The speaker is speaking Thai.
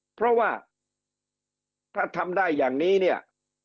เพราะว่าถ้าทำได้อย่างนี้เนี่ย